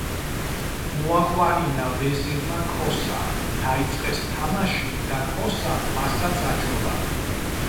მოაყვანინა ვეზირმა ქოსა, დაიწყეს თამაში და ქოსამ მასაც აჯობა.